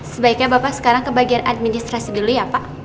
sebaiknya bapak sekarang ke bagian administrasi dulu ya pak